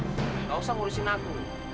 gak usah ngurusin aku